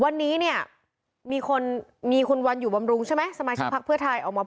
วันนี้เนี่ยมีคนมีคุณวันอยู่บำรุงใช่ไหมสมาชิกพักเพื่อไทยออกมา